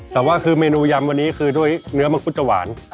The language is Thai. แต่ว่าคือเมนูยำวันนี้คือด้วยเนื้อมังคุดจะหวาน